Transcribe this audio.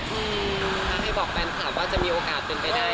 ถ้าให้บอกแฟนคลับว่าจะมีโอกาสเป็นไปได้